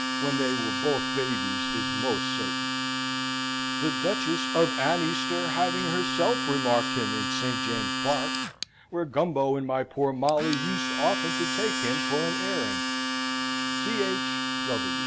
when they were both babies, is most certain, the Duchess of Aneaster having herself remarked him in St. James's Park, where Gumbo and my poor Molly used often to take him for an airing. Th.